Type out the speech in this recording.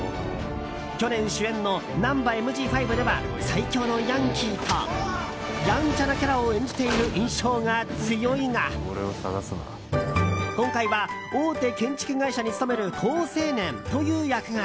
去年主演の「ナンバＭＧ５」では最強のヤンキーとやんちゃなキャラを演じている印象が強いが今回は大手建築会社に勤める好青年という役柄。